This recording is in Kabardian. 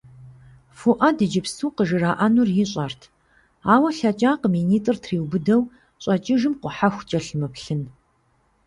Фуӏэд иджыпсту къыжраӏэнур ищӏэрт, ауэ лъэкӏакъым и нитӏыр триубыдэу щӏэкӏыжым къухьэху кӏэлъымыплъын.